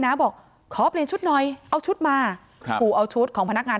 นะบอกขอเปลี่ยนชุดหน่อยเอาชุดมาครับขู่เอาชุดของพนักงาน